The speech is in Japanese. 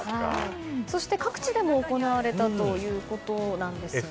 そして各地でも行われたということなんですよね。